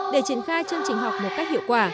để triển khai chương trình học một cách hiệu quả